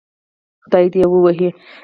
خدای دې ووهه